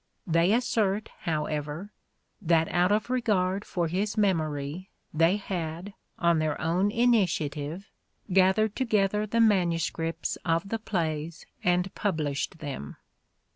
They assert, however, that out of regard for his memory they had, on their own initiative, gathered together the manuscripts of the plays and published them.